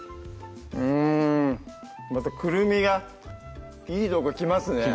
うんまたくるみがいいとこきますね